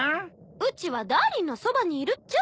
うちはダーリンのそばにいるっちゃ。